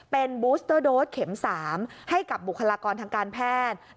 เป็นบูสเตอร์โดสเข็ม๓ให้กับบุคลากรทางการแพทย์